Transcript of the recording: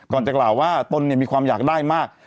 ก่อนจะกล่าวว่าตนมีความอยากได้มาก